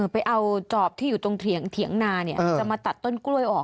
ไปเอาจอบที่อยู่ตรงเถียงนาจะมาตัดต้นกล้วยออก